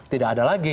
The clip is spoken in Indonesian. tidak ada lagi